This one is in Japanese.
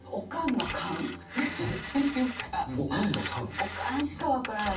おかんしか分からない